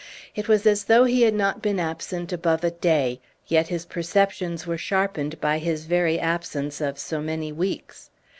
It was as though he had not been absent above a day, yet his perceptions were sharpened by his very absence of so many weeks.